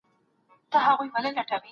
سفیران به نړیوالي اړیکي پیاوړي کړي.